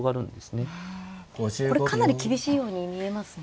これかなり厳しいように見えますね。